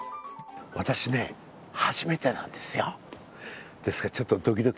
私ね、初めてなんですよ。